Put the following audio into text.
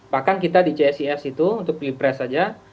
bahkan kita di csis itu untuk pilpres saja